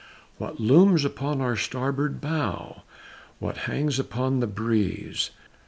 What looms upon our starboard bow? What hangs upon the breeze?